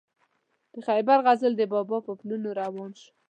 د خیبر غزل د بابا پر پلونو روان شو.